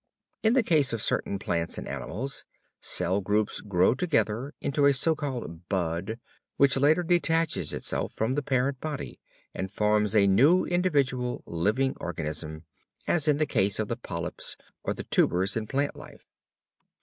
In the case of certain plants and animals, cell groups grow together into a so called "bud," which later detaches itself from the parent body and forms a new individual living organism, as in the case of the polyps or the tubers in plant life.